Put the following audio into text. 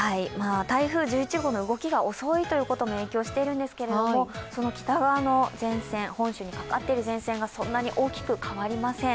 台風１１号の動きが遅いということも影響しているんですけれども、北側の前線、本州にかかっている前線がそんなに大きく変わりません。